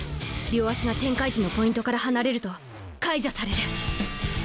両足が展開時のポイントから離れると解除される。